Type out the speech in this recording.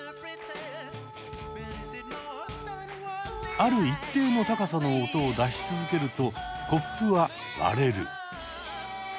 ある一定の高さの音を出し続けるとコップは割れる。